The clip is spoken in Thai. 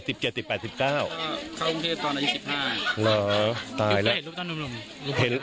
ซายเท่าโร